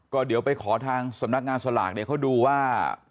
ก็เดี๋ยวไปขอทางสำนักงานสลากเนี่ยเขาดูว่า